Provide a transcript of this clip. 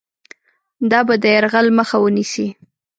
دا به د یرغل مخه ونیسي.